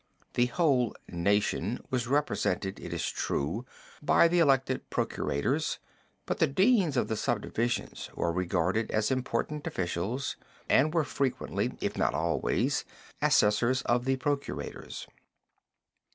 The whole "nation" was represented, it is true, by the elected procurators; but the deans of the subdivisions were regarded as important officials, and were frequently, if not always, assessors of the procurators.